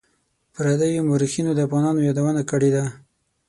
پردیو مورخینو د افغانانو یادونه کړې ده.